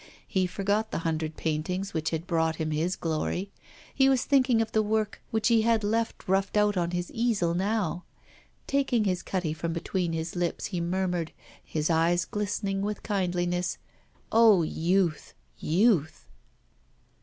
He forgot the hundred paintings which had brought him his glory, he was thinking of the work which he had left roughed out on his easel now. Taking his cutty from between his lips, he murmured, his eyes glistening with kindliness, 'Oh, youth, youth!